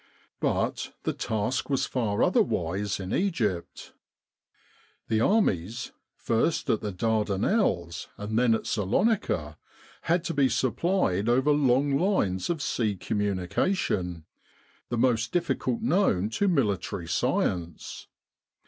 But the task was far otherwise in Egypt. The armies, first at the Dardanelles and then at Salonika, had to be supplied over long lines of sea communication, the most difficult known to military science.